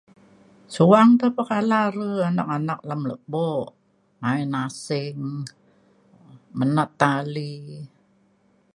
Suang te pe kala re anak anak lem lepo main asing menat tali.